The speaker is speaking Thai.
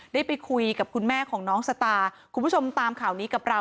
ได้ไปคุยกับคุณแม่ของน้องสตาร์คุณผู้ชมตามข่าวนี้กับเรา